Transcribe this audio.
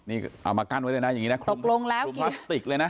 เอามากั้นไว้ด้วยนะคลุมพลาสติกเลยนะ